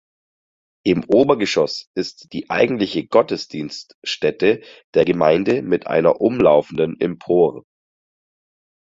Im Obergeschoss ist die eigentliche Gottesdienststätte der Gemeinde mit einer umlaufenden Empore.